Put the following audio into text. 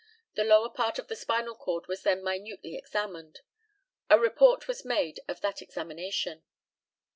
The lower part of the spinal cord was then minutely examined. A report was made of that examination.